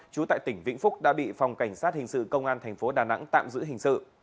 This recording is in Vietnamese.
chú tại tỉnh vĩnh phúc đã bị phòng cảnh sát hình sự công an tp đà nẵng tạm giữ hình sự